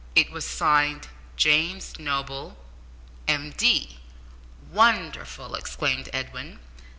It was signed James Noble, M.D. "Wonderful!" exclaimed Edwin.